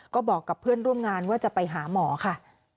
ก็บอกกับเพื่อนร่วมงานว่าจะไปหาหมอค่ะ